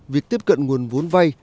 việc tiếp cận nguồn vốn vay